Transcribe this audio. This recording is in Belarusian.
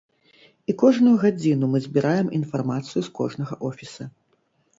І кожную гадзіну мы збіраем інфармацыю з кожнага офіса.